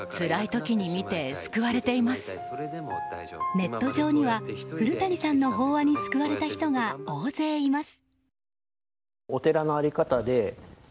ネット上には古渓さんの法話に救われた人が大勢います。